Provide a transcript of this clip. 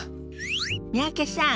三宅さん